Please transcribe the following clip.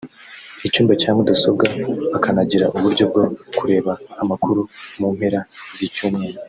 icyumba cya mudasobwa bakanagira uburyo bwo kureba amakuru mu mpera z’icyumweru